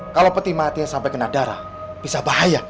kalau peti mati sampai kena darah bisa bahaya